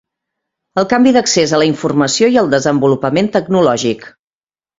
El canvi d'accés a la informació i el desenvolupament tecnològic.